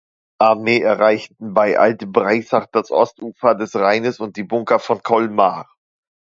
Armee erreichten bei Alt-Breisach das Ostufer des Rheines und die Bunker von Colmar.